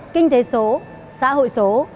kinh tế số xã hội số